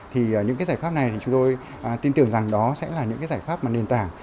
thì những giải pháp này thì chúng tôi tin tưởng rằng đó sẽ là những giải pháp nền tảng